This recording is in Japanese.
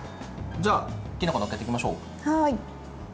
じゃあきのこを載っけていきましょう。